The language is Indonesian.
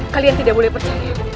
kalian tidak boleh percaya